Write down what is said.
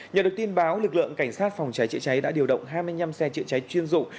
nhờ được tin báo lực lượng cảnh sát phòng cháy chữa cháy đã điều động hai mươi năm xe chữa cháy chuyên dụng